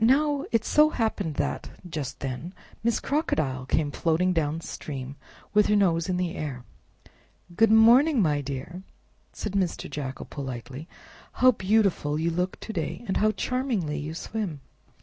Now it so happened that, just then, Miss Crocodile came floating down stream with her nose in the air. "Good morning, my dear!" said Mr. Jackal politely; "how beautiful you look to day, and how charmingly you swim!